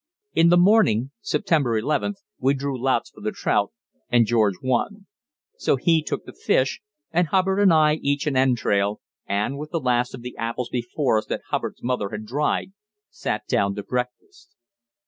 In the morning (September 11th) we drew lots for the trout, and George won. So he took the fish, and Hubbard and I each an entrail, and, with the last of the apples before us that Hubbard's mother had dried, sat down to breakfast.